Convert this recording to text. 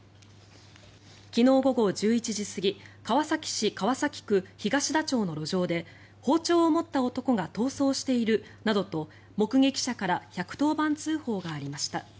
昨日午後１１時過ぎ川崎市川崎区東田町の路上で包丁を持った男が逃走しているなどと目撃者から１１０番通報がありました。